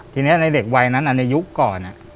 ทีนี้ในเด็กวัยนั้นในยุคก่อน